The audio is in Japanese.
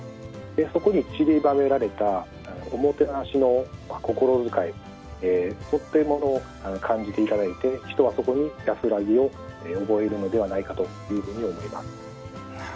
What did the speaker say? そこにちりばめられたおもてなしの心遣いそういうものを感じていただいて人はそこに安らぎを覚えるのではないかというふうに思います。